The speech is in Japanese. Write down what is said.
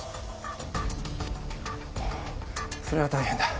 それは大変だ。